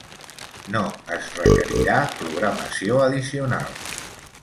No es requerirà programació addicional.